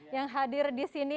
yang hadir di sini